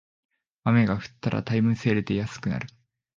雨が降ったらタイムセールで安くなる